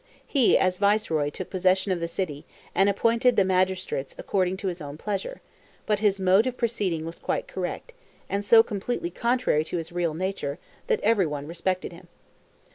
He, as viceroy, took possession of the city, and appointed the magistracies according to his own pleasure; but his mode of proceeding was quite correct, and so completely contrary to his real nature, that everyone respected him.